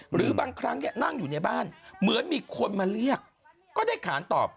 หรือบางครั้งนั่งอยู่ในบ้านเหมือนมีคนมาเรียกก็ได้ขานตอบ